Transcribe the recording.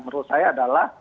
menurut saya adalah